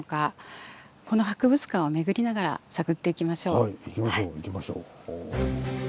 理想？ではまずはい行きましょう行きましょう。